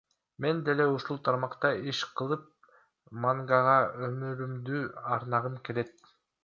Мен деле ушул тармакта иш кылып, мангага өмүрүмдү арнагым келет.